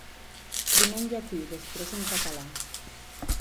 Primer en llatí, després en català.